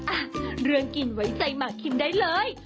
อ่ะเรื่องกินไว้ใจหมากคิมได้เลย